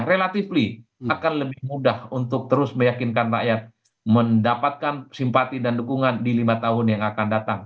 relatifly akan lebih mudah untuk terus meyakinkan rakyat mendapatkan simpati dan dukungan di lima tahun yang akan datang